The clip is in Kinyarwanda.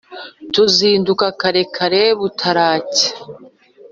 Tuzinduka kare kare butaracya